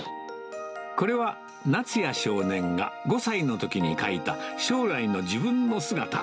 これは、夏也少年が５歳のときに書いた、将来の自分の姿。